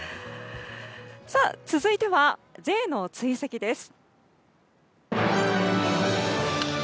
続いてはＪの追跡です。